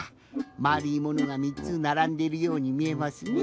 まるいものが３つならんでいるようにみえますね。